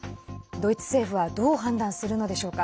ドイツ政府はどう判断するのでしょうか。